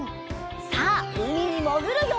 さあうみにもぐるよ！